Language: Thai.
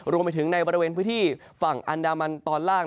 รวมไปถึงในบริเวณพื้นที่ฝั่งอันดามันตอนล่าง